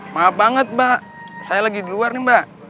maaf banget mbak saya lagi di luar nih mbak